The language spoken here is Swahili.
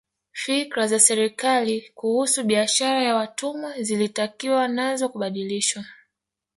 Fikra za serikali kuhusu biashara ya watumwa zilitakiwa nazo kubadilishwa